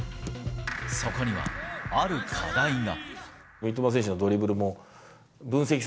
そこには、ある課題が。